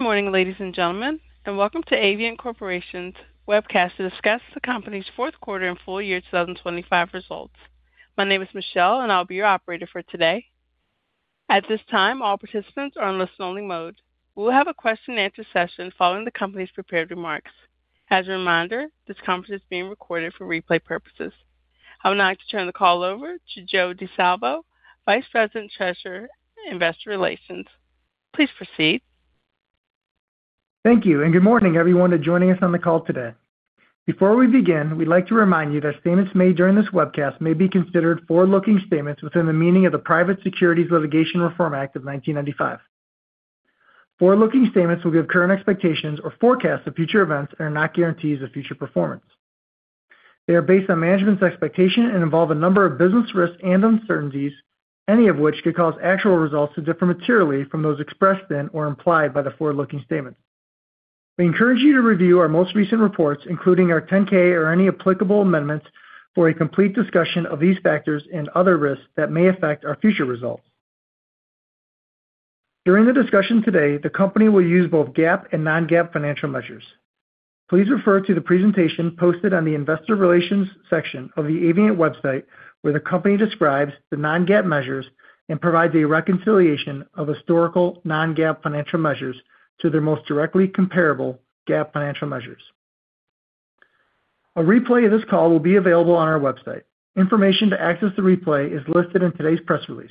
Good morning, ladies and gentlemen, and welcome to Avient Corporation's webcast to discuss the company's fourth quarter and full year 2025 results. My name is Michelle, and I'll be your operator for today. At this time, all participants are on listen-only mode. We will have a question-and-answer session following the company's prepared remarks. As a reminder, this conference is being recorded for replay purposes. I would now like to turn the call over to Joe Di Salvo, Vice President, Treasurer, and Investor Relations. Please proceed. Thank you, and good morning, everyone joining us on the call today. Before we begin, we'd like to remind you that statements made during this webcast may be considered forward-looking statements within the meaning of the Private Securities Litigation Reform Act of 1995. Forward-looking statements will give current expectations or forecasts of future events and are not guarantees of future performance. They are based on management's expectation and involve a number of business risks and uncertainties, any of which could cause actual results to differ materially from those expressed then or implied by the forward-looking statement. We encourage you to review our most recent reports, including our 10-K or any applicable amendments, for a complete discussion of these factors and other risks that may affect our future results. During the discussion today, the company will use both GAAP and non-GAAP financial measures. Please refer to the presentation posted on the investor relations section of the Avient website, where the company describes the non-GAAP measures and provides a reconciliation of historical non-GAAP financial measures to their most directly comparable GAAP financial measures. A replay of this call will be available on our website. Information to access the replay is listed in today's press release,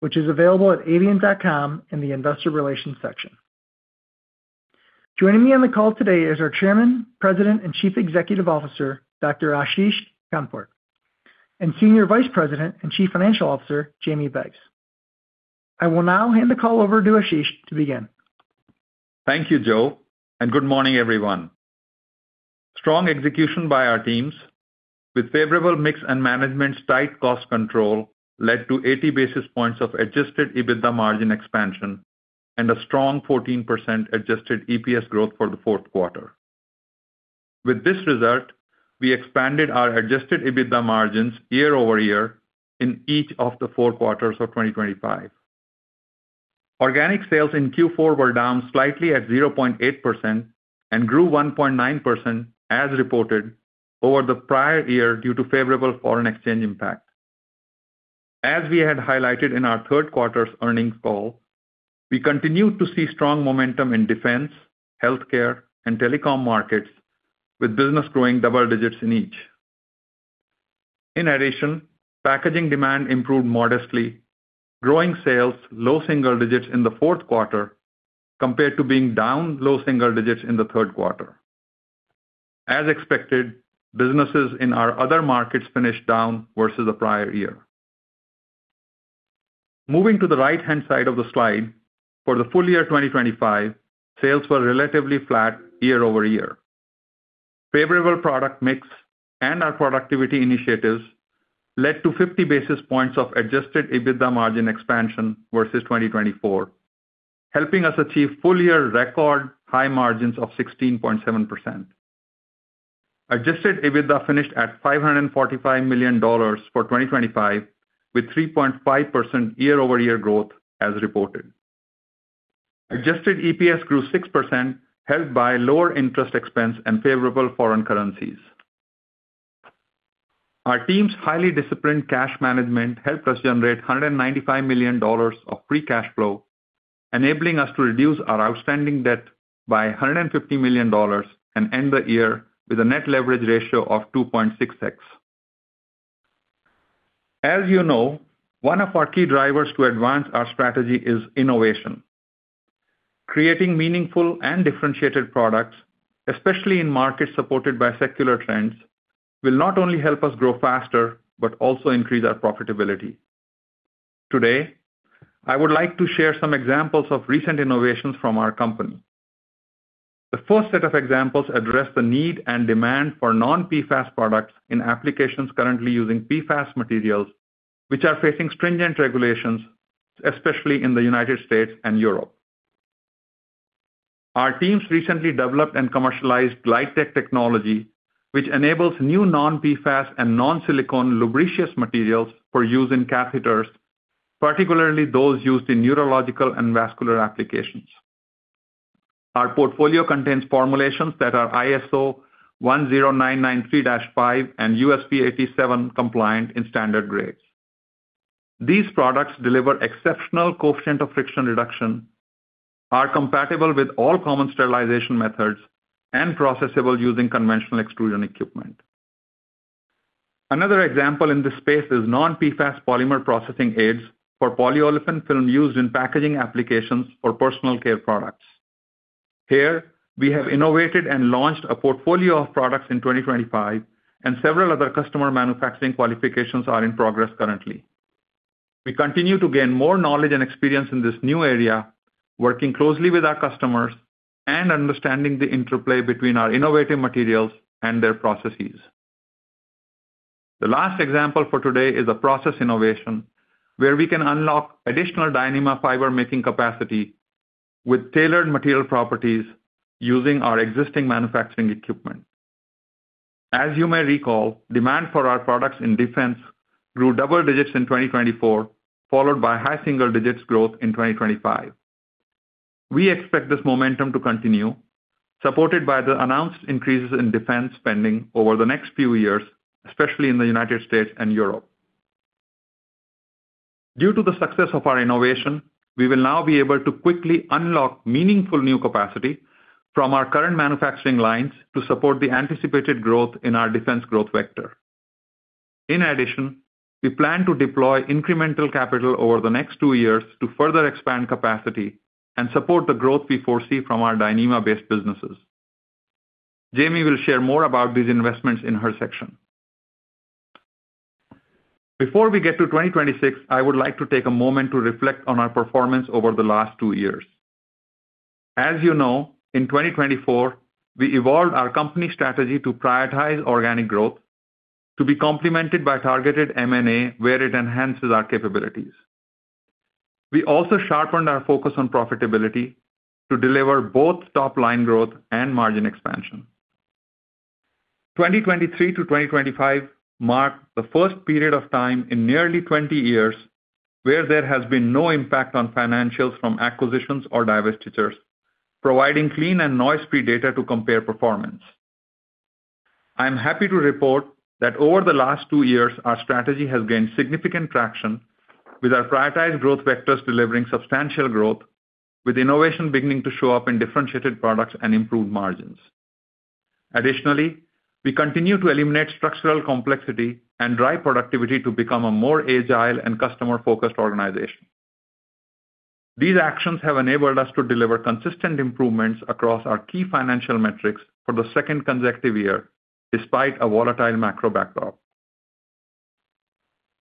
which is available at avient.com in the Investor Relations section. Joining me on the call today is our Chairman, President, and Chief Executive Officer, Dr. Ashish K. Khandpur, and Senior Vice President and Chief Financial Officer, Jamie Beggs. I will now hand the call over to Ashish to begin. Thank you, Joe, and good morning, everyone. Strong execution by our teams with favorable mix and management's tight cost control led to 80 basis points of Adjusted EBITDA margin expansion and a strong 14% Adjusted EPS growth for the fourth quarter. With this result, we expanded our Adjusted EBITDA margins year-over-year in each of the four quarters of 2025. Organic sales in Q4 were down slightly at 0.8% and grew 1.9% as reported over the prior year due to favorable foreign exchange impact. As we had highlighted in our third quarter's earnings call, we continued to see strong momentum in defense, healthcare, and telecom markets, with business growing double digits in each. In addition, packaging demand improved modestly, growing sales low single digits in the fourth quarter compared to being down low single digits in the third quarter. As expected, businesses in our other markets finished down versus the prior year. Moving to the right-hand side of the slide, for the full year 2025, sales were relatively flat year-over-year. Favorable product mix and our productivity initiatives led to 50 basis points of adjusted EBITDA margin expansion versus 2024, helping us achieve full-year record high margins of 16.7%. Adjusted EBITDA finished at $545 million for 2025, with 3.5 year-over-year growth as reported. Adjusted EPS grew 6%, helped by lower interest expense and favorable foreign currencies. Our team's highly disciplined cash management helped us generate $195 million of free cash flow, enabling us to reduce our outstanding debt by $150 million and end the year with a net leverage ratio of 2.6x. As you know, one of our key drivers to advance our strategy is innovation. Creating meaningful and differentiated products, especially in markets supported by secular trends, will not only help us grow faster, but also increase our profitability. Today, I would like to share some examples of recent innovations from our company. The first set of examples address the need and demand for non-PFAS products in applications currently using PFAS materials, which are facing stringent regulations, especially in the United States and Europe. Our teams recently developed and commercialized GlideTech technology, which enables new non-PFAS and non-silicone lubricious materials for use in catheters, particularly those used in neurological and vascular applications. Our portfolio contains formulations that are ISO 10993-5 and USP 87 compliant in standard grades. These products deliver exceptional coefficient of friction reduction, are compatible with all common sterilization methods, and processable using conventional extrusion equipment. Another example in this space is non-PFAS polymer processing aids for polyolefin film used in packaging applications or personal care products. Here, we have innovated and launched a portfolio of products in 2025, and several other customer manufacturing qualifications are in progress currently. We continue to gain more knowledge and experience in this new area, working closely with our customers and understanding the interplay between our innovative materials and their processes. The last example for today is a process innovation where we can unlock additional Dyneema fiber making capacity with tailored material properties using our existing manufacturing equipment. As you may recall, demand for our products in defense grew double digits in 2024, followed by high single digits growth in 2025. We expect this momentum to continue, supported by the announced increases in defense spending over the next few years, especially in the United States and Europe. Due to the success of our innovation, we will now be able to quickly unlock meaningful new capacity from our current manufacturing lines to support the anticipated growth in our defense growth vector. In addition, we plan to deploy incremental capital over the next two years to further expand capacity and support the growth we foresee from our Dyneema-based businesses. Jamie will share more about these investments in her section. Before we get to 2026, I would like to take a moment to reflect on our performance over the last two years. As you know, in 2024, we evolved our company strategy to prioritize organic growth, to be complemented by targeted M&A, where it enhances our capabilities. We also sharpened our focus on profitability to deliver both top line growth and margin expansion. 2023 to 2025 marked the first period of time in nearly 20 years where there has been no impact on financials from acquisitions or divestitures, providing clean and noise-free data to compare performance. I am happy to report that over the last two years, our strategy has gained significant traction, with our prioritized growth vectors delivering substantial growth, with innovation beginning to show up in differentiated products and improved margins. Additionally, we continue to eliminate structural complexity and drive productivity to become a more agile and customer-focused organization. These actions have enabled us to deliver consistent improvements across our key financial metrics for the second consecutive year, despite a volatile macro backdrop.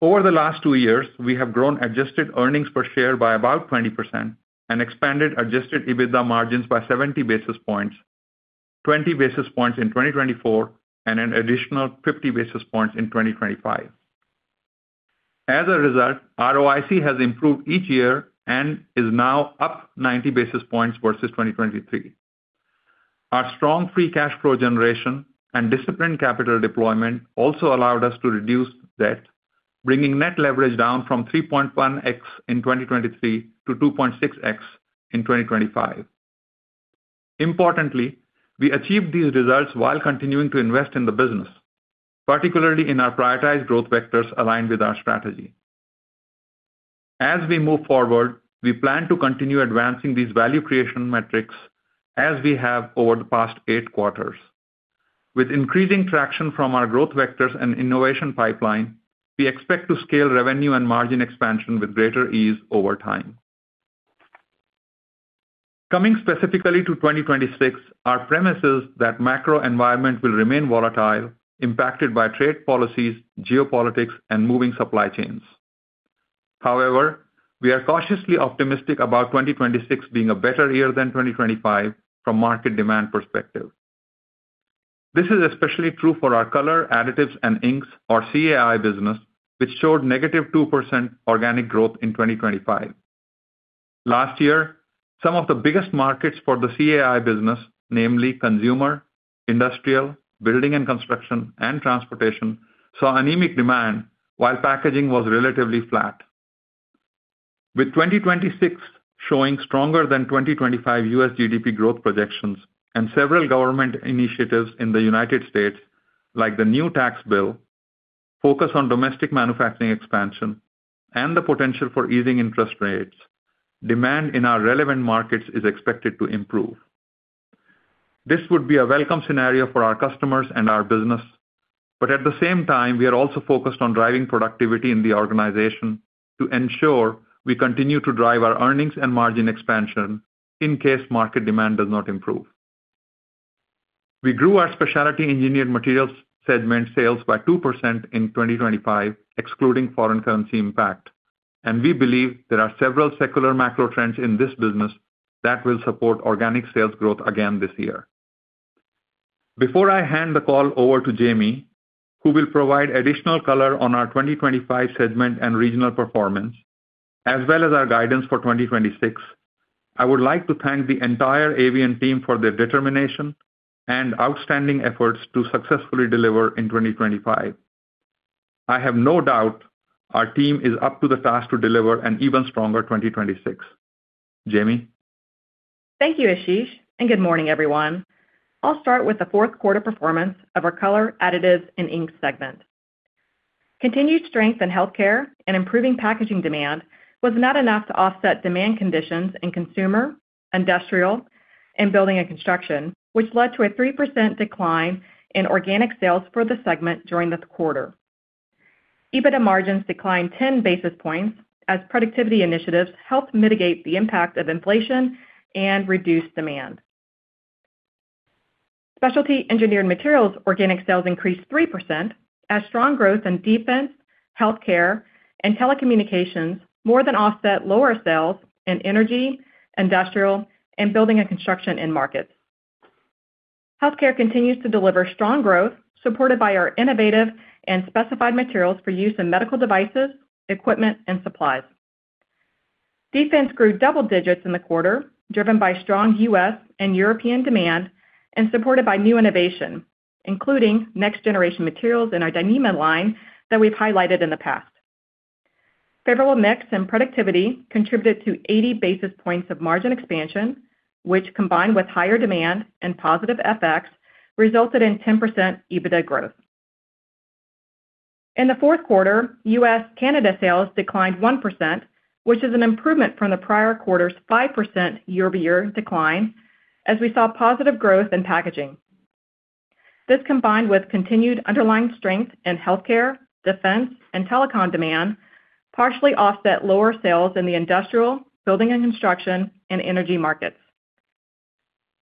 Over the last two years, we have grown adjusted earnings per share by about 20% and expanded adjusted EBITDA margins by 70 basis points, 20 basis points in 2024, and an additional 50 basis points in 2025. As a result, ROIC has improved each year and is now up 90 basis points versus 2023. Our strong free cash flow generation and disciplined capital deployment also allowed us to reduce debt, bringing net leverage down from 3.1x in 2023 to 2.6x in 2025. Importantly, we achieved these results while continuing to invest in the business, particularly in our prioritized growth vectors aligned with our strategy. As we move forward, we plan to continue advancing these value creation metrics as we have over the past eight quarters. With increasing traction from our growth vectors and innovation pipeline, we expect to scale revenue and margin expansion with greater ease over time. Coming specifically to 2026, our premise is that macro environment will remain volatile, impacted by trade policies, geopolitics, and moving supply chains. However, we are cautiously optimistic about 2026 being a better year than 2025 from market demand perspective. This is especially true for our Color Additives and Inks, or CAI business, which showed -2% organic growth in 2025. Last year, some of the biggest markets for the CAI business, namely consumer, industrial, building and construction, and transportation, saw anemic demand while packaging was relatively flat. With 2026 showing stronger than 2025 U.S. GDP growth projections and several government initiatives in the United States, like the new tax bill, focus on domestic manufacturing expansion and the potential for easing interest rates, demand in our relevant markets is expected to improve. This would be a welcome scenario for our customers and our business, but at the same time, we are also focused on driving productivity in the organization to ensure we continue to drive our earnings and margin expansion in case market demand does not improve. We grew our Specialty Engineered Materials segment sales by 2% in 2025, excluding foreign currency impact, and we believe there are several secular macro trends in this business that will support organic sales growth again this year. Before I hand the call over to Jamie, who will provide additional color on our 2025 segment and regional performance, as well as our guidance for 2026, I would like to thank the entire Avient team for their determination and outstanding efforts to successfully deliver in 2025. I have no doubt our team is up to the task to deliver an even stronger 2026. Jamie? Thank you, Ashish, and good morning, everyone. I'll start with the fourth quarter performance of our Color, Additives and Inks segment. Continued strength in healthcare and improving packaging demand was not enough to offset demand conditions in consumer, industrial, and building and construction, which led to a 3% decline in organic sales for the segment during this quarter. EBITDA margins declined 10 basis points as productivity initiatives helped mitigate the impact of inflation and reduced demand. Specialty Engineered Materials organic sales increased 3%, as strong growth in defense, healthcare, and telecommunications more than offset lower sales in energy, industrial, and building and construction end markets. Healthcare continues to deliver strong growth, supported by our innovative and specified materials for use in medical devices, equipment, and supplies... Defense grew double digits in the quarter, driven by strong U.S. and European demand and supported by new innovation, including next-generation materials in our Dyneema line that we've highlighted in the past. Favorable mix and productivity contributed to 80 basis points of margin expansion, which, combined with higher demand and positive FX, resulted in 10% EBITDA growth. In the fourth quarter, US-Canada sales declined 1%, which is an improvement from the prior quarter's 5% year-over-year decline, as we saw positive growth in packaging. This, combined with continued underlying strength in healthcare, defense, and telecom demand, partially offset lower sales in the industrial, building and construction, and energy markets.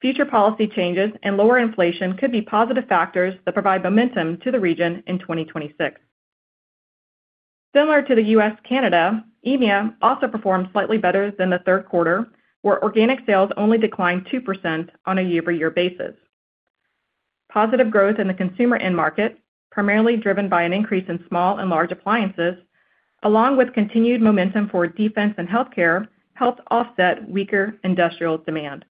Future policy changes and lower inflation could be positive factors that provide momentum to the region in 2026. Similar to the US-Canada, EMEA also performed slightly better than the third quarter, where organic sales only declined 2% on a year-over-year basis. Positive growth in the consumer end market, primarily driven by an increase in small and large appliances, along with continued momentum for defense and healthcare, helped offset weaker industrial demand.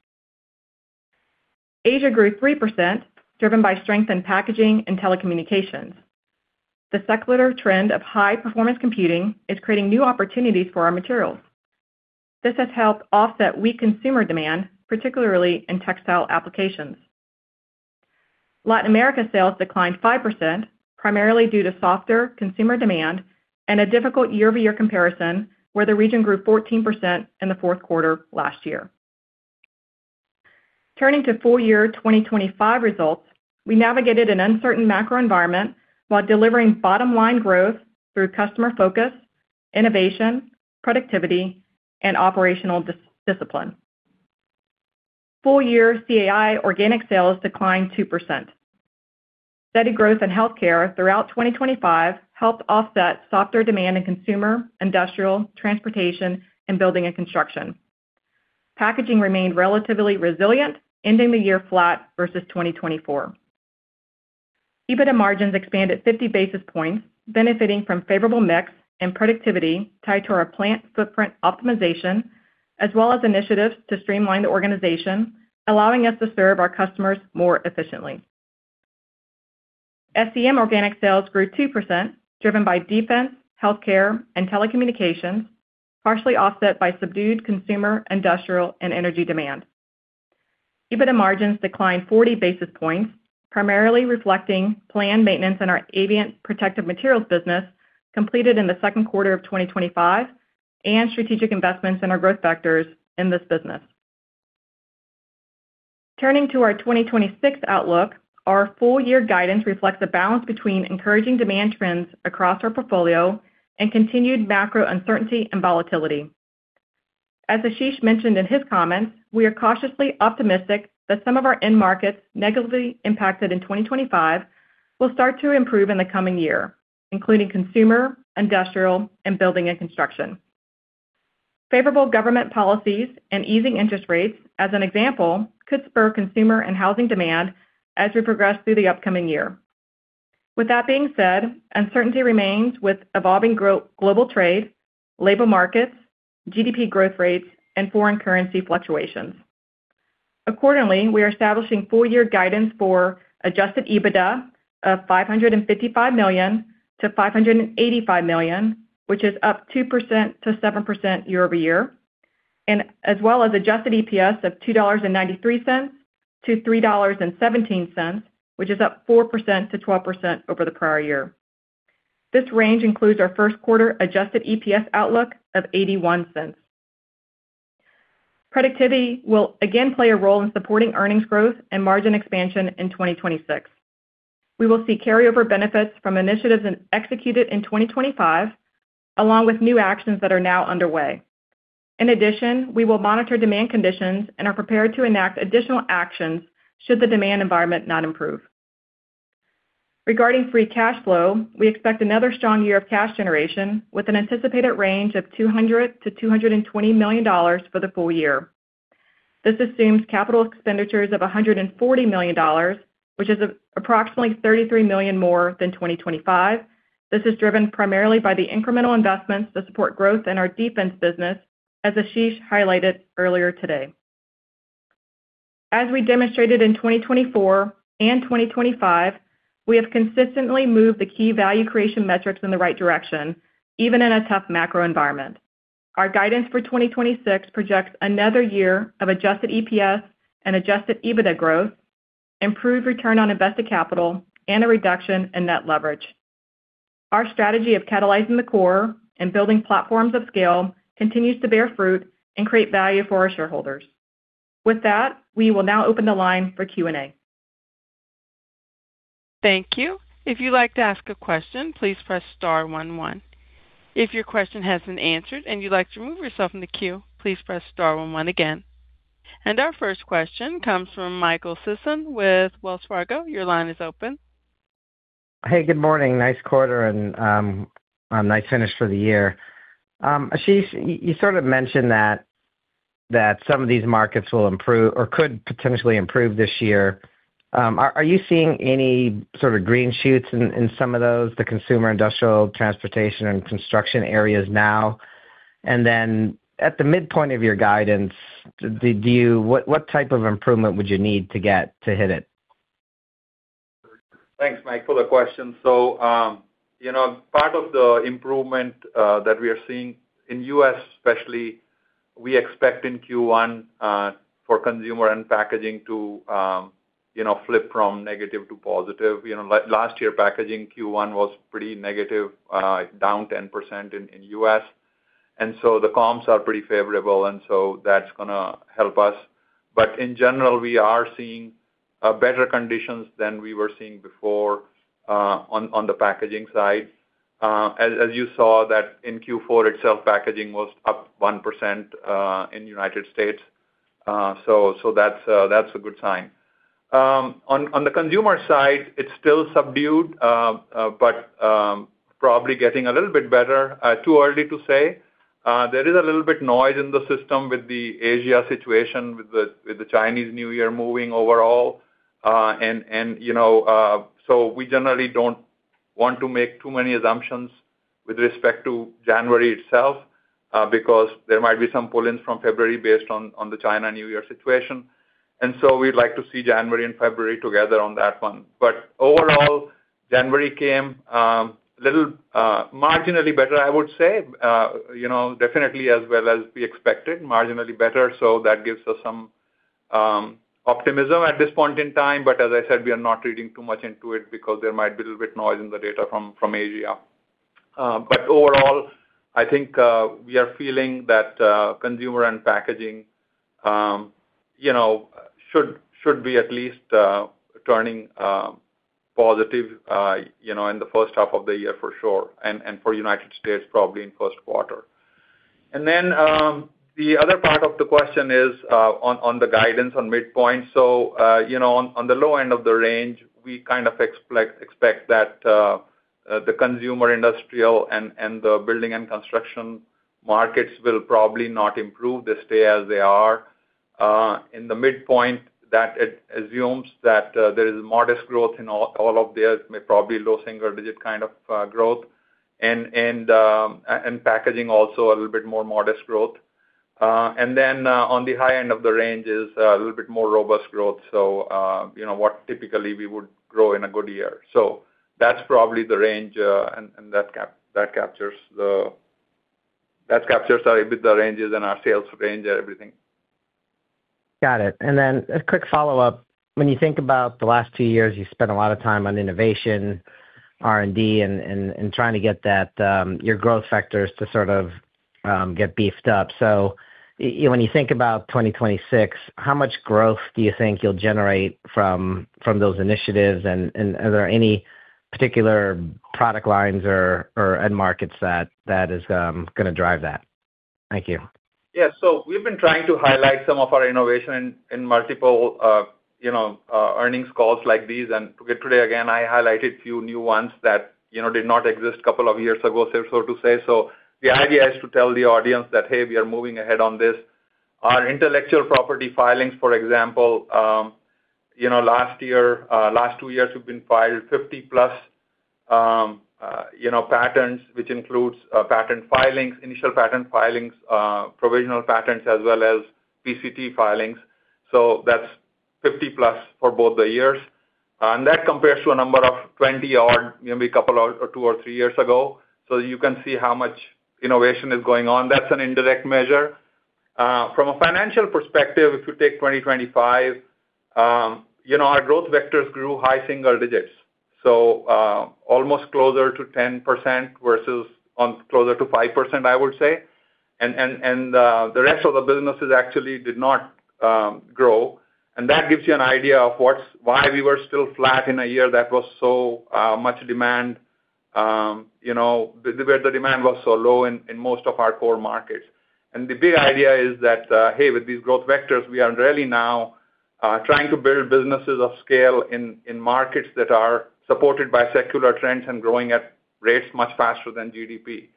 Asia grew 3%, driven by strength in packaging and telecommunications. The secular trend of high-performance computing is creating new opportunities for our materials. This has helped offset weak consumer demand, particularly in textile applications. Latin America sales declined 5%, primarily due to softer consumer demand and a difficult year-over-year comparison, where the region grew 14% in the fourth quarter last year. Turning to full-year 2025 results, we navigated an uncertain macro environment while delivering bottom-line growth through customer focus, innovation, productivity, and operational discipline. Full-year CAI organic sales declined 2%. Steady growth in healthcare throughout 2025 helped offset softer demand in consumer, industrial, transportation, and building and construction. Packaging remained relatively resilient, ending the year flat versus 2024. EBITDA margins expanded 50 basis points, benefiting from favorable mix and productivity tied to our plant footprint optimization, as well as initiatives to streamline the organization, allowing us to serve our customers more efficiently. SEM organic sales grew 2%, driven by defense, healthcare, and telecommunications, partially offset by subdued consumer, industrial, and energy demand. EBITDA margins declined 40 basis points, primarily reflecting planned maintenance in our Avient Protective Materials business, completed in the second quarter of 2025, and strategic investments in our growth vectors in this business. Turning to our 2026 outlook, our full-year guidance reflects a balance between encouraging demand trends across our portfolio and continued macro uncertainty and volatility. As Ashish mentioned in his comments, we are cautiously optimistic that some of our end markets negatively impacted in 2025 will start to improve in the coming year, including consumer, industrial, and building and construction. Favorable government policies and easing interest rates, as an example, could spur consumer and housing demand as we progress through the upcoming year. With that being said, uncertainty remains with evolving global trade, labor markets, GDP growth rates, and foreign currency fluctuations. Accordingly, we are establishing full year guidance for Adjusted EBITDA of $555 million-$585 million, which is up 2%-7% year-over-year, and as well as Adjusted EPS of $2.93-$3.17, which is up 4%-12% over the prior year. This range includes our first quarter adjusted EPS outlook of $0.81. Productivity will again play a role in supporting earnings growth and margin expansion in 2026. We will see carryover benefits from initiatives executed in 2025, along with new actions that are now underway. In addition, we will monitor demand conditions and are prepared to enact additional actions should the demand environment not improve. Regarding free cash flow, we expect another strong year of cash generation with an anticipated range of $200 million-$220 million for the full year. This assumes capital expenditures of $140 million, which is approximately $33 million more than 2025. This is driven primarily by the incremental investments to support growth in our defense business, as Ashish highlighted earlier today. As we demonstrated in 2024 and 2025, we have consistently moved the key value creation metrics in the right direction, even in a tough macro environment. Our guidance for 2026 projects another year of Adjusted EPS and Adjusted EBITDA growth, improved return on invested capital, and a reduction in net leverage. Our strategy of catalyzing the core and building platforms of scale continues to bear fruit and create value for our shareholders. With that, we will now open the line for Q&A. Thank you. If you'd like to ask a question, please press star one one. If your question has been answered and you'd like to remove yourself from the queue, please press star one one again. Our first question comes from Michael Sison with Wells Fargo. Your line is open. Hey, good morning. Nice quarter and, nice finish for the year. Ashish, you sort of mentioned that... that some of these markets will improve or could potentially improve this year. Are you seeing any sort of green shoots in some of those, the consumer, industrial, transportation, and construction areas now? And then at the midpoint of your guidance, did you—what type of improvement would you need to get to hit it? Thanks, Mike, for the question. So, you know, part of the improvement that we are seeing in U.S., especially, we expect in Q1 for consumer and packaging to, you know, flip from negative to positive. You know, last year, packaging Q1 was pretty negative, down 10% in U.S. And so the comps are pretty favorable, and so that's gonna help us. But in general, we are seeing better conditions than we were seeing before on the packaging side. As you saw that in Q4 itself, packaging was up 1% in United States. So that's a good sign. On the consumer side, it's still subdued, but probably getting a little bit better. Too early to say. There is a little bit noise in the system with the Asia situation, with the Chinese New Year moving overall. And you know, so we generally don't want to make too many assumptions with respect to January itself, because there might be some pull-ins from February based on the China New Year situation. And so we'd like to see January and February together on that one. But overall, January came a little marginally better, I would say. You know, definitely as well as we expected, marginally better, so that gives us some optimism at this point in time. But as I said, we are not reading too much into it because there might be a little bit noise in the data from Asia. But overall, I think, we are feeling that, consumer and packaging, you know, should, should be at least, turning, positive, you know, in the first half of the year for sure, and, and for United States, probably in first quarter. And then, the other part of the question is, on, on the guidance on midpoint. So, you know, on, on the low end of the range, we kind of expect that, the consumer, industrial, and, and the building and construction markets will probably not improve. They stay as they are. In the midpoint, that it assumes that, there is modest growth in all, all of these, may probably low single digit kind of, growth, and, and, and packaging also a little bit more modest growth. And then, on the high end of the range is a little bit more robust growth. So, you know what, typically we would grow in a good year. So that's probably the range, and that captures, sorry, with the ranges and our sales range and everything. Got it. And then a quick follow-up. When you think about the last two years, you spent a lot of time on innovation, R&D, and trying to get that your growth vectors to sort of get beefed up. So when you think about 2026, how much growth do you think you'll generate from those initiatives? And are there any particular product lines or markets that is gonna drive that? Thank you. Yeah. So we've been trying to highlight some of our innovation in multiple, you know, earnings calls like these. And today, again, I highlighted a few new ones that, you know, did not exist couple of years ago, so to say. So the idea is to tell the audience that, "Hey, we are moving ahead on this." Our intellectual property filings, for example, you know, last year, last two years, we've been filed 50+, you know, patents, which includes, patent filings, initial patent filings, provisional patents, as well as PCT filings. So that's 50+ for both the years. And that compares to a number of 20-odd, maybe a couple or two or three years ago. So you can see how much innovation is going on. That's an indirect measure. From a financial perspective, if you take 2025, you know, our growth vectors grew high single digits, so, almost closer to 10% versus on closer to 5%, I would say. And, and, the rest of the businesses actually did not grow. And that gives you an idea of what's why we were still flat in a year that was so much demand, you know, where the demand was so low in most of our core markets. And the big idea is that, hey, with these growth vectors, we are really now trying to build businesses of scale in markets that are supported by secular trends and growing at rates much faster than GDP.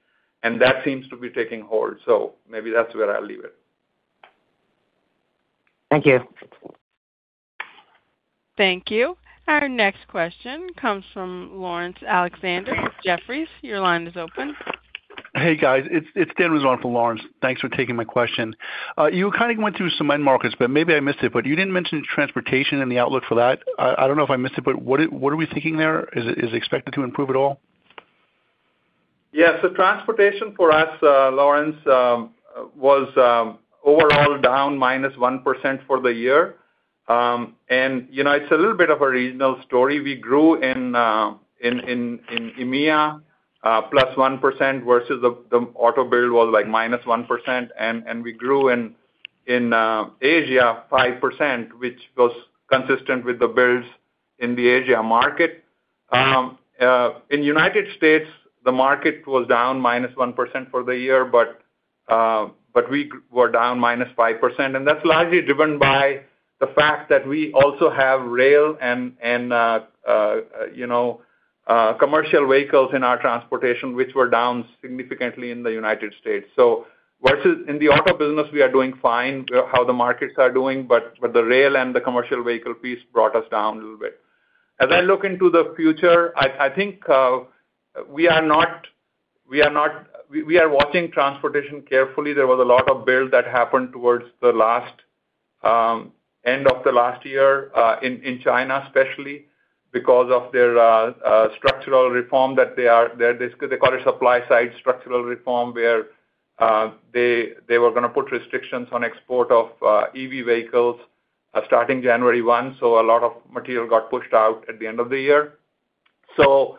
And that seems to be taking hold, so maybe that's where I'll leave it. Thank you. Thank you. Our next question comes from Laurence Alexander, Jefferies. Your line is open. Hey, guys. It's Dan Rosenthal for Laurence. Thanks for taking my question. You kind of went through some end markets, but maybe I missed it, but you didn't mention transportation and the outlook for that. I don't know if I missed it, but what are we thinking there? Is it expected to improve at all? Yeah, so transportation for us, Lawrence, was overall down -1% for the year. And, you know, it's a little bit of a regional story. We grew in EMEA +1% versus the auto build was like -1%, and we grew in Asia 5%, which was consistent with the builds in the Asia market. In United States, the market was down -1% for the year, but we were down -5%, and that's largely driven by the fact that we also have rail and commercial vehicles in our transportation, which were down significantly in the United States. So versus in the auto business, we are doing fine, how the markets are doing, but the rail and the commercial vehicle piece brought us down a little bit. As I look into the future, I think we are not. We are watching transportation carefully. There was a lot of build that happened towards the end of the last year in China, especially because of their structural reform, that they call it supply side structural reform, where they were gonna put restrictions on export of EV vehicles starting January 1. So a lot of material got pushed out at the end of the year. So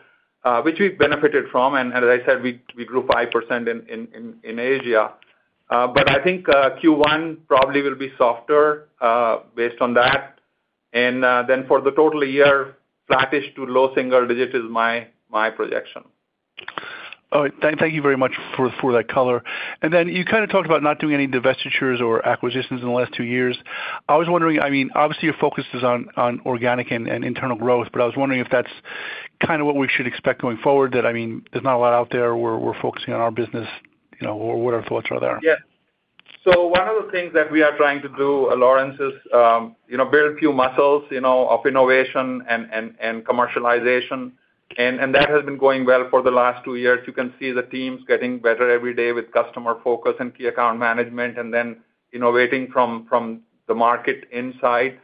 which we benefited from, and as I said, we grew 5% in Asia. But I think, Q1 probably will be softer, based on that. And then for the total year, flattish to low single digits is my projection. All right. Thank you very much for that color. And then you kinda talked about not doing any divestitures or acquisitions in the last two years. I was wondering, I mean, obviously, your focus is on organic and internal growth, but I was wondering if that's kinda what we should expect going forward. That I mean, there's not a lot out there. We're focusing on our business, you know, or what our thoughts are there? Yeah. So one of the things that we are trying to do, Laurence, is, you know, build few muscles, you know, of innovation and commercialization. And that has been going well for the last two years. You can see the teams getting better every day with customer focus and key account management, and then innovating from the market inside.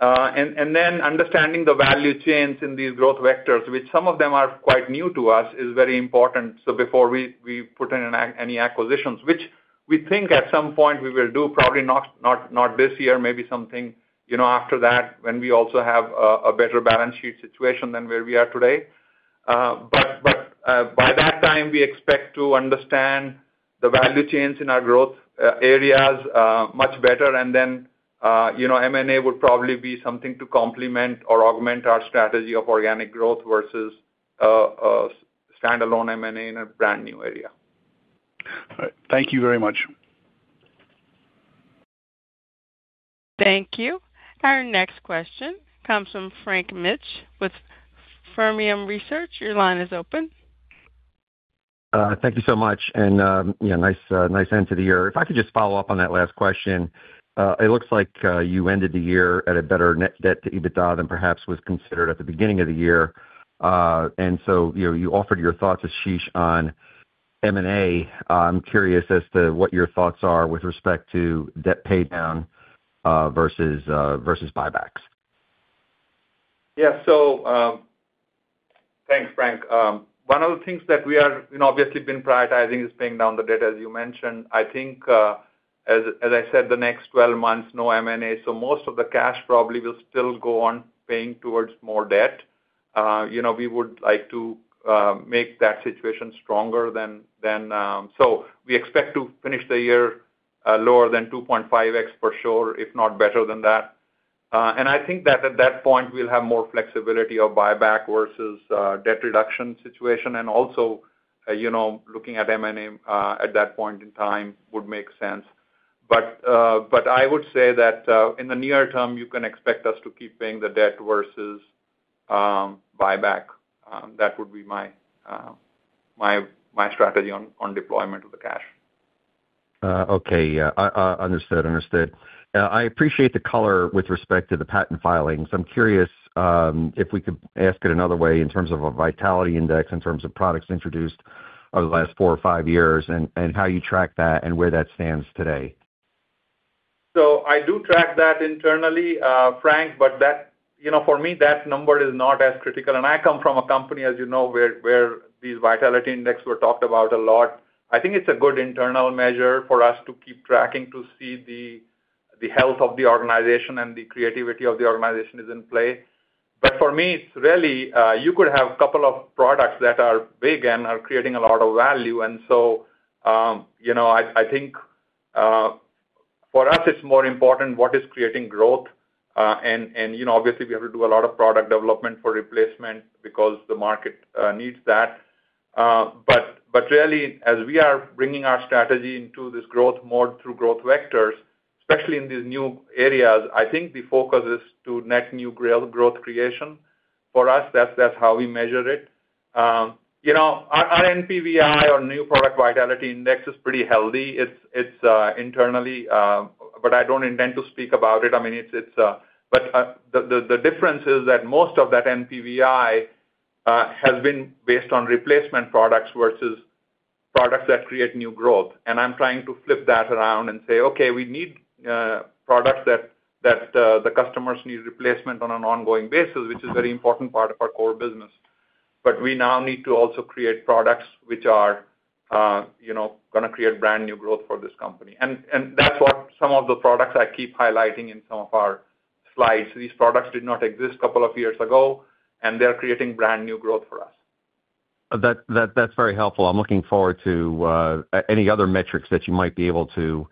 And then understanding the value chains in these growth vectors, which some of them are quite new to us, is very important. So before we put in any acquisitions, which we think at some point we will do, probably not this year, maybe something, you know, after that, when we also have a better balance sheet situation than where we are today. But by that time, we expect to understand the value chains in our growth areas much better. And then, you know, M&A would probably be something to complement or augment our strategy of organic growth versus standalone M&A in a brand-new area. All right. Thank you very much. Thank you. Our next question comes from Frank Mitsch with Fermium Research. Your line is open. Thank you so much. And, yeah, nice end to the year. If I could just follow up on that last question. It looks like you ended the year at a better net debt to EBITDA than perhaps was considered at the beginning of the year. And so, you know, you offered your thoughts, Ashish, on M&A. I'm curious as to what your thoughts are with respect to debt paydown versus buybacks. Yeah. So, thanks, Frank. One of the things that we are, you know, obviously been prioritizing is paying down the debt, as you mentioned. I think, as I said, the next 12 months, no M&A, so most of the cash probably will still go on paying towards more debt. You know, we would like to make that situation stronger than, than... So we expect to finish the year, lower than 2.5x, for sure, if not better than that. And I think that at that point, we'll have more flexibility of buyback versus, debt reduction situation. And also, you know, looking at M&A, at that point in time would make sense. But, but I would say that, in the near term, you can expect us to keep paying the debt versus, buyback. That would be my strategy on deployment of the cash. Okay. Yeah, understood, understood. I appreciate the color with respect to the patent filings. I'm curious, if we could ask it another way in terms of a vitality index, in terms of products introduced over the last four or five years, and, and how you track that and where that stands today. So I do track that internally, Frank, but that, you know, for me, that number is not as critical. I come from a company, as you know, where these vitality index were talked about a lot. I think it's a good internal measure for us to keep tracking, to see the health of the organization and the creativity of the organization is in play. But for me, it's really, you could have a couple of products that are big and are creating a lot of value. And so, you know, I think, for us it's more important what is creating growth. And, you know, obviously we have to do a lot of product development for replacement because the market needs that. But really, as we are bringing our strategy into this growth mode through growth vectors, especially in these new areas, I think the focus is to net new real growth creation. For us, that's how we measure it. You know, our NPVI or New Product Vitality Index is pretty healthy. It's internally, but I don't intend to speak about it. I mean, it's... But the difference is that most of that NPVI has been based on replacement products versus products that create new growth. And I'm trying to flip that around and say, okay, we need products that the customers need replacement on an ongoing basis, which is very important part of our core business. But we now need to also create products which are, you know, gonna create brand new growth for this company. And that's what some of the products I keep highlighting in some of our slides. These products did not exist a couple of years ago, and they're creating brand new growth for us. That's very helpful. I'm looking forward to any other metrics that you might be able to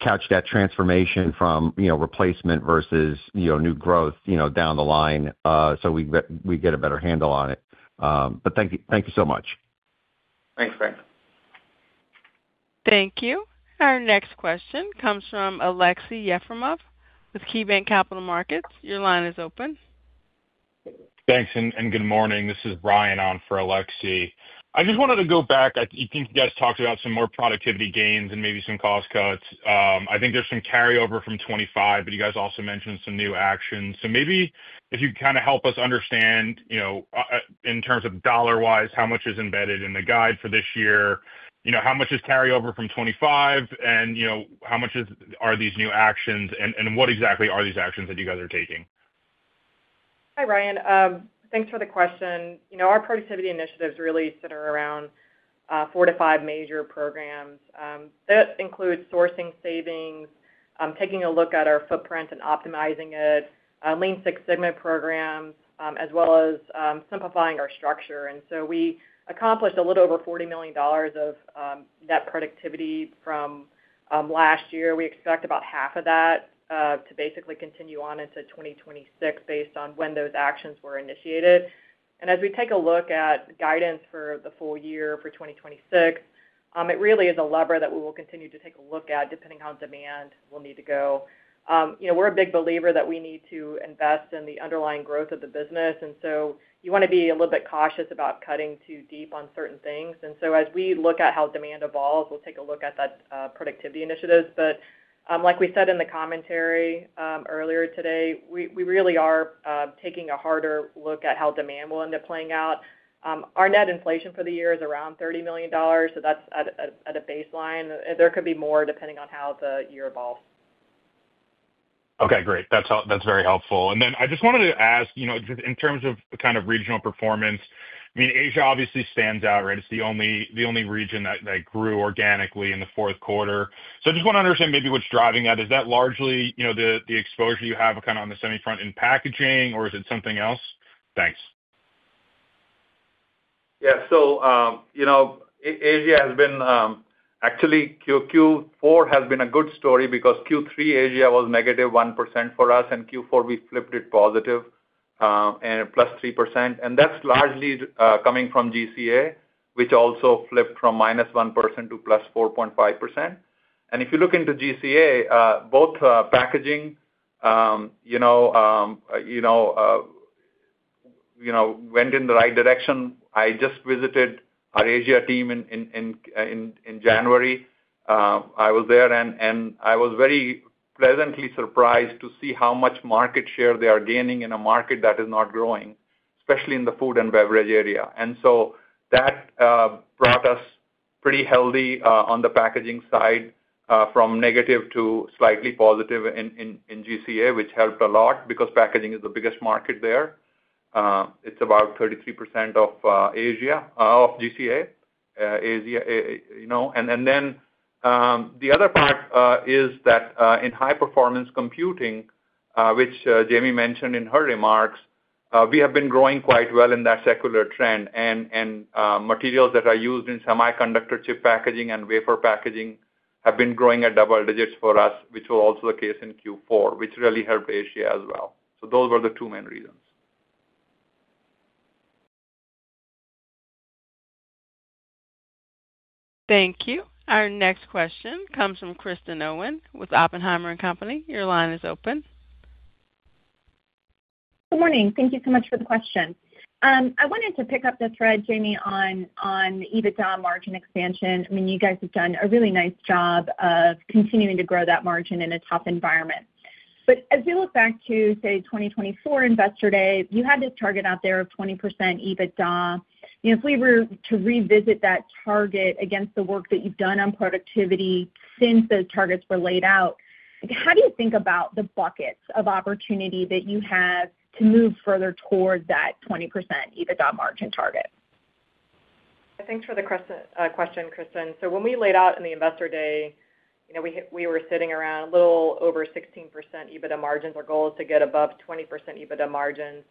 catch that transformation from, you know, replacement versus, you know, new growth, you know, down the line, so we get a better handle on it. But thank you. Thank you so much. Thanks, Frank. Thank you. Our next question comes from Aleksey Yefremov with KeyBanc Capital Markets. Your line is open. Thanks and good morning. This is Ryan on for Alexi. I just wanted to go back. I think you guys talked about some more productivity gains and maybe some cost cuts. I think there's some carryover from 2025, but you guys also mentioned some new actions. So maybe if you kind of help us understand, you know, in terms of dollar-wise, how much is embedded in the guide for this year? You know, how much is carryover from 2025, and, you know, how much are these new actions, and what exactly are these actions that you guys are taking? Hi, Ryan. Thanks for the question. You know, our productivity initiatives really center around, 4-5 major programs. That includes sourcing savings, taking a look at our footprint and optimizing it, Lean Six Sigma programs, as well as, simplifying our structure. And so we accomplished a little over $40 million of, net productivity from, last year. We expect about half of that, to basically continue on into 2026, based on when those actions were initiated. And as we take a look at guidance for the full year for 2026, it really is a lever that we will continue to take a look at, depending on how demand will need to go. You know, we're a big believer that we need to invest in the underlying growth of the business, and so you wanna be a little bit cautious about cutting too deep on certain things. So as we look at how demand evolves, we'll take a look at that, productivity initiatives. But, like we said in the commentary, earlier today, we, we really are, taking a harder look at how demand will end up playing out. Our net inflation for the year is around $30 million, so that's at a baseline. There could be more, depending on how the year evolves. Okay, great. That's very helpful. And then I just wanted to ask, you know, just in terms of the kind of regional performance, I mean, Asia obviously stands out, right? It's the only region that grew organically in the fourth quarter. So I just wanna understand maybe what's driving that. Is that largely, you know, the exposure you have kind of on the semi front in packaging, or is it something else? Thanks. Yeah. So, you know, Asia has been... Actually, Q4 has been a good story because Q3 Asia was -1% for us, and Q4 we flipped it positive, and +3%. And that's largely coming from GCA, which also flipped from -1% to +4.5%. And if you look into GCA, both packaging, you know, you know, you know, went in the right direction. I just visited our Asia team in January. I was there, and I was very pleasantly surprised to see how much market share they are gaining in a market that is not growing, especially in the food and beverage area. That brought us pretty healthy on the packaging side from negative to slightly positive in GCA, which helped a lot because packaging is the biggest market there. It's about 33% of Asia, of GCA, Asia, you know? Then the other part is that in high performance computing, which Jamie mentioned in her remarks, we have been growing quite well in that secular trend. Materials that are used in semiconductor chip packaging and wafer packaging have been growing at double digits for us, which was also the case in Q4, which really helped Asia as well. Those were the two main reasons. Thank you. Our next question comes from Kristen Owen with Oppenheimer and Company. Your line is open. Good morning. Thank you so much for the question. I wanted to pick up the thread, Jamie, on EBITDA margin expansion. I mean, you guys have done a really nice job of continuing to grow that margin in a tough environment. But as we look back to, say, 2024 Investor Day, you had this target out there of 20% EBITDA. You know, if we were to revisit that target against the work that you've done on productivity since those targets were laid out, how do you think about the buckets of opportunity that you have to move further towards that 20% EBITDA margin target? Thanks for the question, Kristen. So when we laid out in the Investor Day, you know, we were sitting around a little over 16% EBITDA margins. Our goal is to get above 20% EBITDA margins.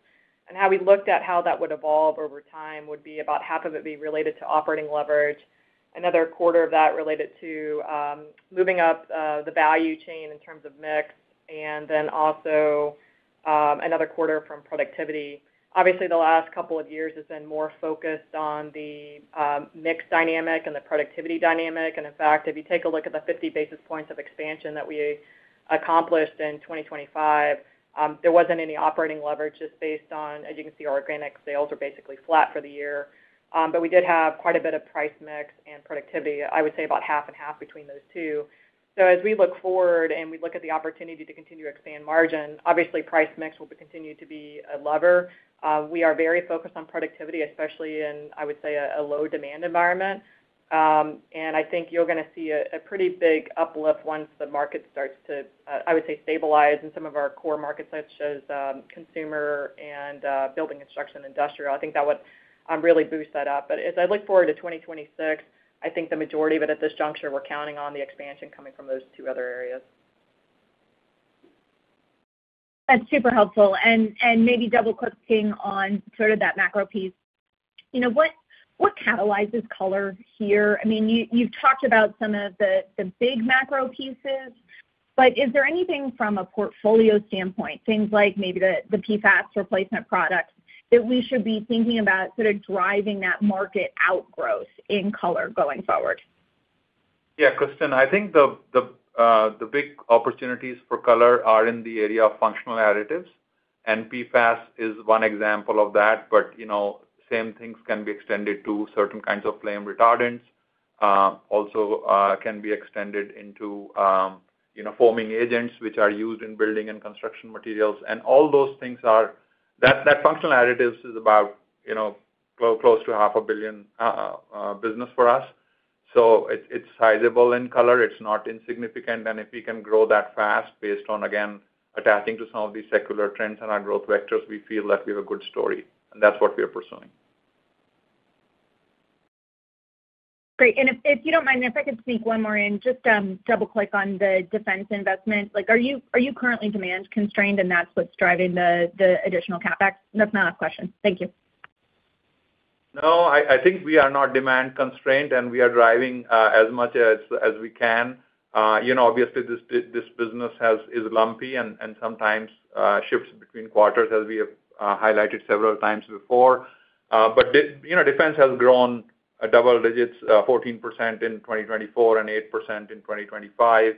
And how we looked at how that would evolve over time, would be about half of it be related to operating leverage, another quarter of that related to moving up the value chain in terms of mix, and then also another quarter from productivity. Obviously, the last couple of years has been more focused on the mix dynamic and the productivity dynamic. And in fact, if you take a look at the 50 basis points of expansion that we accomplished in 2025, there wasn't any operating leverage just based on, as you can see, our organic sales were basically flat for the year. But we did have quite a bit of price mix and productivity. I would say about 50/50 between those two. So as we look forward and we look at the opportunity to continue to expand margin, obviously, price mix will continue to be a lever. We are very focused on productivity, especially in, I would say, a low demand environment. And I think you're gonna see a pretty big uplift once the market starts to I would say stabilize in some of our core markets, such as consumer and building construction, industrial. I think that would really boost that up. But as I look forward to 2026, I think the majority of it at this juncture, we're counting on the expansion coming from those two other areas. That's super helpful. And maybe double-clicking on sort of that macro piece, you know, what catalyzes color here? I mean, you've talked about some of the big macro pieces... But is there anything from a portfolio standpoint, things like maybe the PFAS replacement products, that we should be thinking about sort of driving that market outgrowth in Color going forward? Yeah, Kristen, I think the big opportunities for Color are in the area of functional additives, and PFAS is one example of that. But, you know, same things can be extended to certain kinds of flame retardants, also, can be extended into, you know, foaming agents, which are used in building and construction materials. And all those things are that functional additives is about, you know, close to $500 million business for us. So it, it's sizable in Color, it's not insignificant. And if we can grow that fast based on, again, attaching to some of these secular trends and our growth vectors, we feel that we have a good story, and that's what we are pursuing. Great. And if, if you don't mind, if I could sneak one more in, just, double-click on the defense investment. Like, are you, are you currently demand constrained, and that's what's driving the, the additional CapEx? That's my last question. Thank you. No, I think we are not demand constrained, and we are driving as much as we can. You know, obviously, this business is lumpy and sometimes shifts between quarters, as we have highlighted several times before. But you know, defense has grown double digits, 14% in 2024 and 8% in 2025.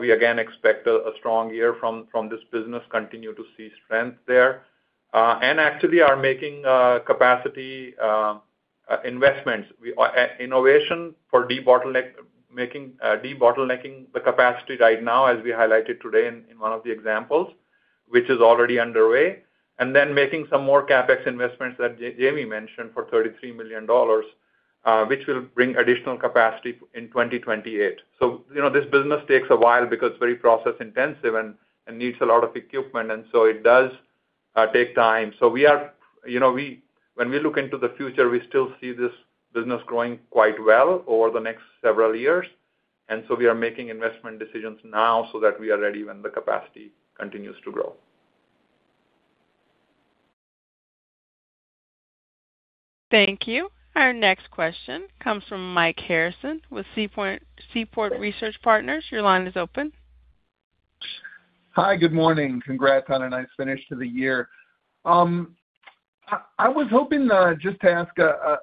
We again expect a strong year from this business, continue to see strength there, and actually are making capacity investments. We are innovation for debottleneck, making debottlenecking the capacity right now, as we highlighted today in one of the examples, which is already underway, and then making some more CapEx investments that Jamie mentioned for $33 million, which will bring additional capacity in 2028. So, you know, this business takes a while because it's very process intensive and needs a lot of equipment, and so it does take time. So we are, you know, when we look into the future, we still see this business growing quite well over the next several years, and so we are making investment decisions now so that we are ready when the capacity continues to grow. Thank you. Our next question comes from Mike Harrison with Seaport, Seaport Research Partners. Your line is open. Hi, good morning. Congrats on a nice finish to the year. I was hoping just to ask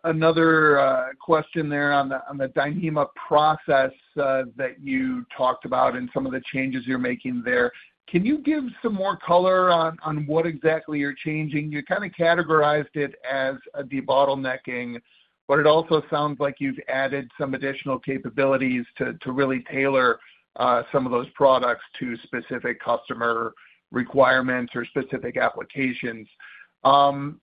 another question there on the Dyneema process that you talked about and some of the changes you're making there. Can you give some more color on what exactly you're changing? You kind of categorized it as a debottlenecking, but it also sounds like you've added some additional capabilities to really tailor some of those products to specific customer requirements or specific applications. And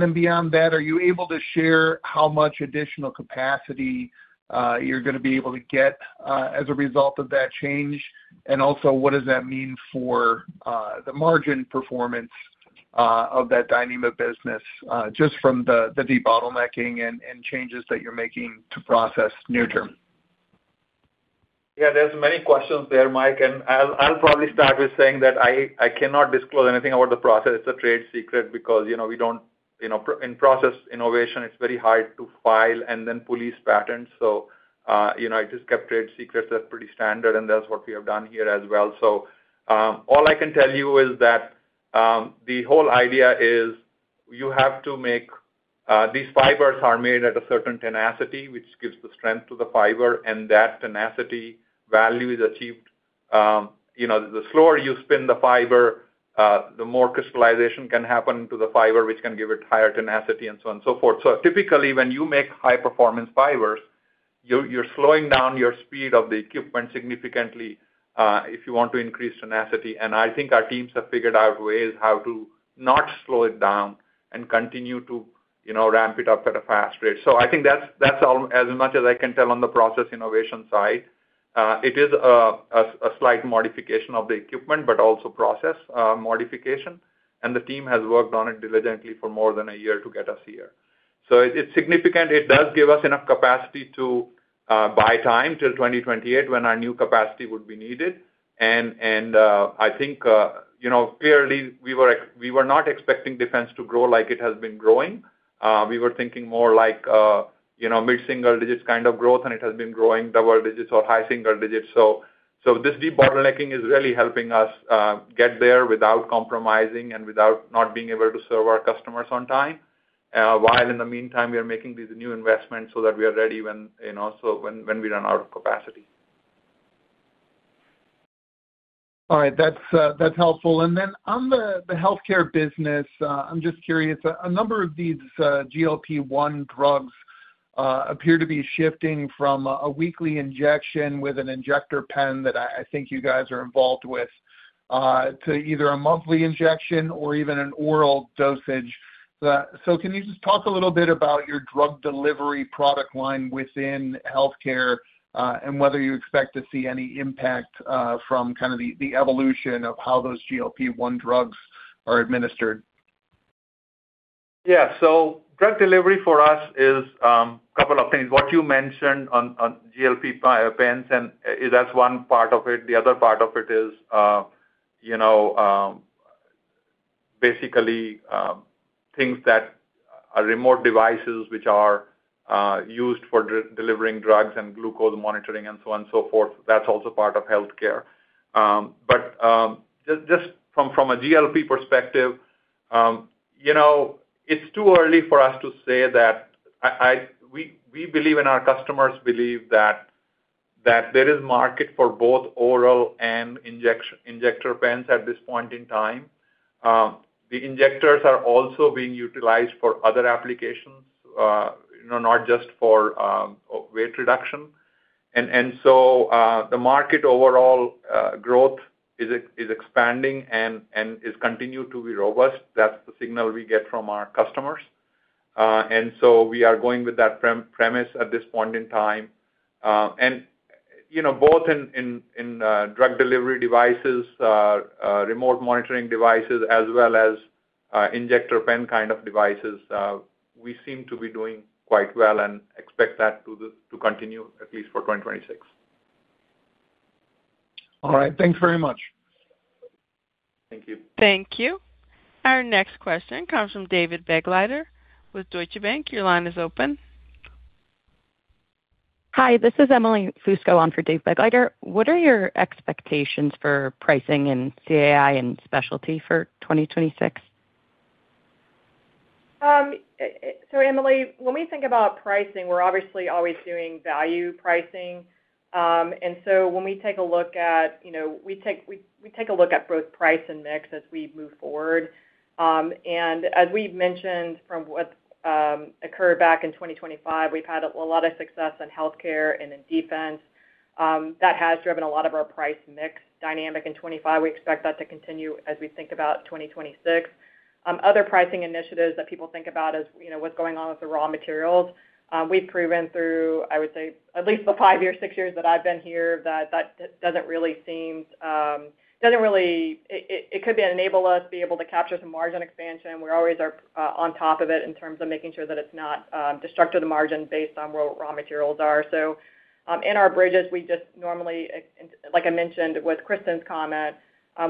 then beyond that, are you able to share how much additional capacity you're gonna be able to get as a result of that change? And also, what does that mean for the margin performance of that Dyneema business, just from the debottlenecking and changes that you're making to process near term? Yeah, there's many questions there, Mike, and I'll probably start with saying that I cannot disclose anything about the process. It's a trade secret because, you know, we don't, you know, in process innovation, it's very hard to file and then police patents. So, you know, I just kept trade secrets. That's pretty standard, and that's what we have done here as well. So, all I can tell you is that the whole idea is you have to make these fibers are made at a certain tenacity, which gives the strength to the fiber, and that tenacity value is achieved, you know, the slower you spin the fiber, the more crystallization can happen to the fiber, which can give it higher tenacity and so on and so forth. So typically, when you make high-performance fibers, you're slowing down your speed of the equipment significantly if you want to increase tenacity. And I think our teams have figured out ways how to not slow it down and continue to, you know, ramp it up at a fast rate. So I think that's as much as I can tell on the process innovation side. It is a slight modification of the equipment, but also process modification, and the team has worked on it diligently for more than a year to get us here. So it's significant. It does give us enough capacity to buy time till 2028, when our new capacity would be needed. And I think, you know, clearly, we were not expecting defense to grow like it has been growing. We were thinking more like, you know, mid-single-digit kind of growth, and it has been growing double-digit or high single-digit. So this debottlenecking is really helping us get there without compromising and without not being able to serve our customers on time, while in the meantime, we are making these new investments so that we are ready when, you know, we run out of capacity. All right. That's, that's helpful. And then on the, the healthcare business, I'm just curious, a number of these, GLP-1 drugs, appear to be shifting from a, a weekly injection with an injector pen that I, I think you guys are involved with, to either a monthly injection or even an oral dosage. So can you just talk a little bit about your drug delivery product line within healthcare, and whether you expect to see any impact, from kind of the, the evolution of how those GLP-1 drugs are administered? Yeah. So drug delivery for us is a couple of things. What you mentioned on GLP pens, and that's one part of it. The other part of it is, you know, basically, things that are remote devices, which are used for delivering drugs and glucose monitoring and so on and so forth, that's also part of healthcare. But just from a GLP perspective, you know, it's too early for us to say that we believe and our customers believe that there is market for both oral and injection, injector pens at this point in time. The injectors are also being utilized for other applications, you know, not just for weight reduction. And so the market overall growth is expanding and is continued to be robust. That's the signal we get from our customers. And so we are going with that premise at this point in time. You know, both in drug delivery devices, remote monitoring devices, as well as injector pen kind of devices, we seem to be doing quite well and expect that to continue at least for 2026. All right. Thanks very much. Thank you. Thank you. Our next question comes from David Begleiter with Deutsche Bank. Your line is open. Hi, this is Emily Fusco on for Dave Begleiter. What are your expectations for pricing in CAI and specialty for 2026? So Emily, when we think about pricing, we're obviously always doing value pricing. And so when we take a look at, you know, we take a look at both price and mix as we move forward. And as we've mentioned from what occurred back in 2025, we've had a lot of success in healthcare and in defense. That has driven a lot of our price mix dynamic in 25. We expect that to continue as we think about 2026. Other pricing initiatives that people think about is, you know, what's going on with the raw materials. We've proven through, I would say, at least the five years, six years that I've been here, that doesn't really seem. It could enable us to be able to capture some margin expansion. We always are on top of it in terms of making sure that it's not destructive to margin based on where raw materials are. So, in our bridges, we just normally, like I mentioned with Kristen's comment,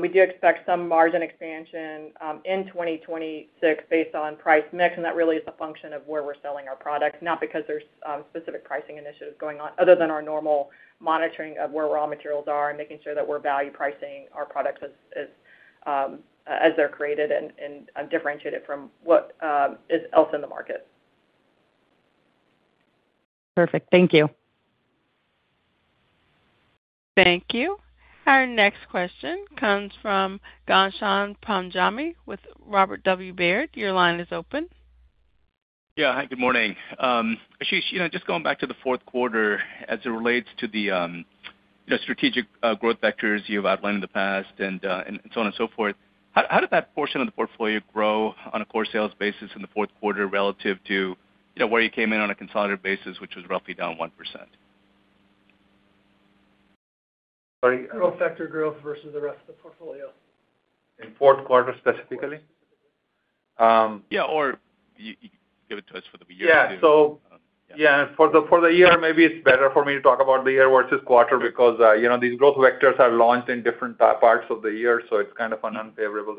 we do expect some margin expansion in 2026 based on price mix, and that really is a function of where we're selling our products, not because there's specific pricing initiatives going on, other than our normal monitoring of where raw materials are and making sure that we're value pricing our products as they're created and differentiated from what else is in the market. Perfect. Thank you. Thank you. Our next question comes from Ghansham Panjabi with Robert W. Baird. Your line is open. Yeah. Hi, good morning. Ashish, you know, just going back to the fourth quarter as it relates to the strategic growth vectors you've outlined in the past and and so on and so forth, how did that portion of the portfolio grow on a core sales basis in the fourth quarter relative to, you know, where you came in on a consolidated basis, which was roughly down 1%? Sorry. Growth factor growth versus the rest of the portfolio. In fourth quarter, specifically? Yeah, or you give it to us for the year. Yeah. So- Yeah. Yeah, for the, for the year, maybe it's better for me to talk about the year versus quarter, because, you know, these growth vectors are launched in different parts of the year, so it's kind of unfavorable.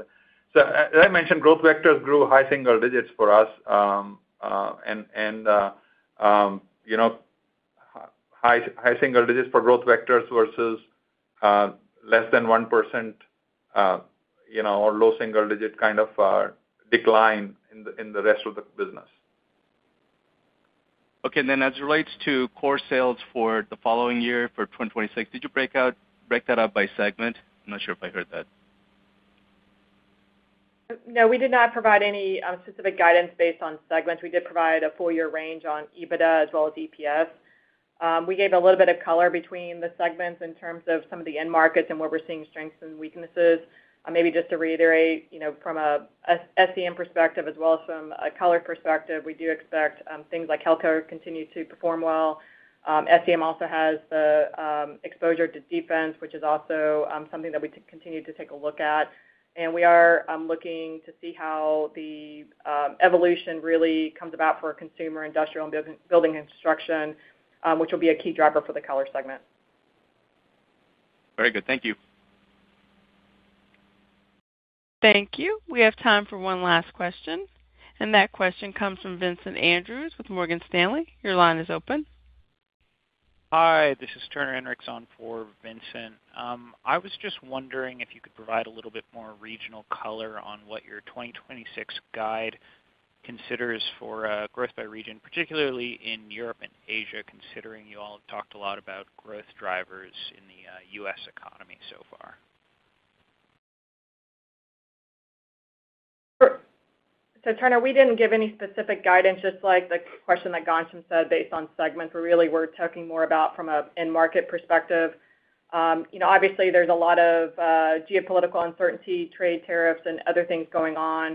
So as I mentioned, growth vectors grew high single digits for us, and, and, you know, high, high single digits for growth vectors versus, less than 1%, you know, or low single digit kind of, decline in the, in the rest of the business. Okay. Then as it relates to core sales for the following year, for 2026, did you break out—break that up by segment? I'm not sure if I heard that. No, we did not provide any specific guidance based on segments. We did provide a full year range on EBITDA as well as EPS. We gave a little bit of color between the segments in terms of some of the end markets and where we're seeing strengths and weaknesses. Maybe just to reiterate, you know, from a SEM perspective as well as from a color perspective, we do expect things like healthcare to continue to perform well. SEM also has the exposure to defense, which is also something that we continue to take a look at. And we are looking to see how the evolution really comes about for consumer, industrial, and building and construction, which will be a key driver for the color segment. Very good. Thank you. Thank you. We have time for one last question, and that question comes from Vincent Andrews with Morgan Stanley. Your line is open. Hi, this is Turner Hendricks on for Vincent. I was just wondering if you could provide a little bit more regional color on what your 2026 guide considers for growth by region, particularly in Europe and Asia, considering you all have talked a lot about growth drivers in the US economy so far? Sure. So Turner, we didn't give any specific guidance, just like the question that Ghansham said, based on segments. But really, we're talking more about from an end market perspective. You know, obviously there's a lot of geopolitical uncertainty, trade tariffs, and other things going on,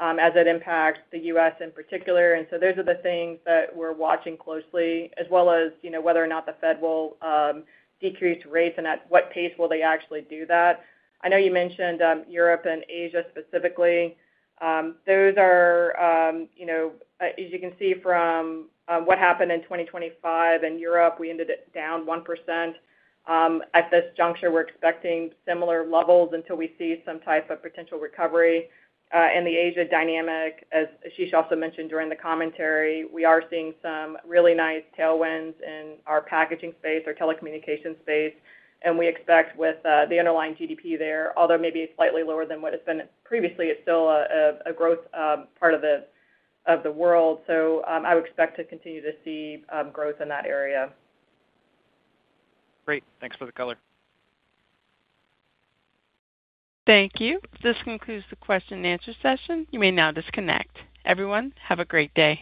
as it impacts the U.S. in particular. And so those are the things that we're watching closely, as well as, you know, whether or not the Fed will decrease rates and at what pace will they actually do that. I know you mentioned Europe and Asia specifically. Those are, you know, as you can see from what happened in 2025 in Europe, we ended it down 1%. At this juncture, we're expecting similar levels until we see some type of potential recovery. In the Asia dynamic, as Ashish also mentioned during the commentary, we are seeing some really nice tailwinds in our packaging space, our telecommunication space, and we expect with the underlying GDP there, although maybe slightly lower than what it's been previously, it's still a growth part of the world. So, I would expect to continue to see growth in that area. Great. Thanks for the color. Thank you. This concludes the question and answer session. You may now disconnect. Everyone, have a great day.